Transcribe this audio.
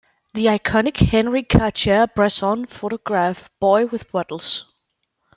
The iconic Henri Cartier-Bresson photograph "Boy With Bottles".